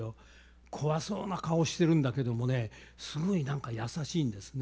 怖そうな顔してるんだけどもねすごい何か優しいんですね。